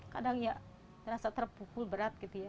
kadang ya rasa terpukul berat gitu ya